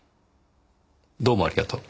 どうもありがとう。